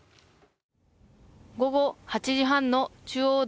午後８時半の中央道